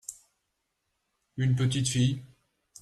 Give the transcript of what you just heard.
une petite fille.